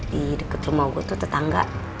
di deket rumah gue tuh tetangga